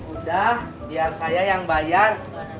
udah biar saya yang bayar